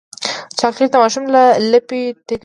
چاکلېټ د ماشوم لپې ډکوي.